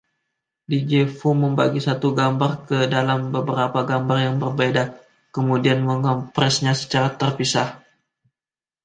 DjVu membagi satu gambar ke dalam beberapa gambar yang berbeda, kemudian mengompresnya secara terpisah.